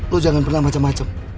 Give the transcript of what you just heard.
lu jangan pernah macem macem